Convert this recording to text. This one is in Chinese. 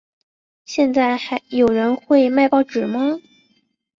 现在还有人会买报纸吗？